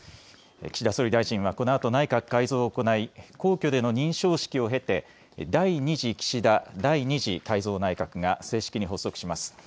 岸田総理大臣はこのあと内閣改造を行い皇居での認証式を経て第２次岸田第２次改造内閣が正式に発足します。